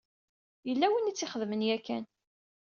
Yella win i t-ixedmen yakan.